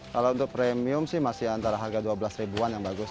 kalau untuk premium sih masih antara harga rp dua belas ribuan yang bagus